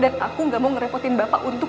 dan aku gak mau ngerepotin bapak untuk